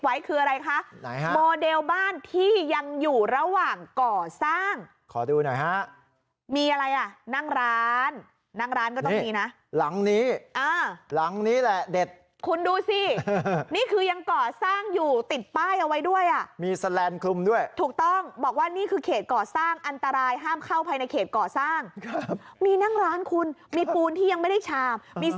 ไว้คืออะไรคะไหนฮะโมเดลบ้านที่ยังอยู่ระหว่างก่อสร้างขอดูหน่อยฮะมีอะไรอ่ะนั่งร้านนั่งร้านก็ต้องมีนะหลังนี้อ่าหลังนี้แหละเด็ดคุณดูสินี่คือยังก่อสร้างอยู่ติดป้ายเอาไว้ด้วยอ่ะมีแสลนด์คลุมด้วยถูกต้องบอกว่านี่คือเขตก่อสร้างอันตรายห้ามเข้าภายในเขตก่อสร้างครับมีนั่งร้านคุณมีปูนที่ยังไม่ได้ชามมีส